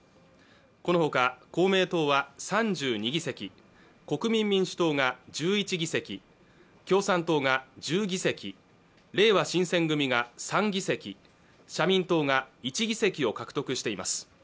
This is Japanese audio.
このほか公明党は３２議席国民民主党が１１議席共産党が１０議席れいわ新選組が３議席社民党が１議席を獲得しています